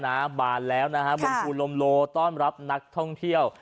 นะฮะบานแล้วนะคะฮะบริขุอนรมโลต้นรับนักท่องเที่ยว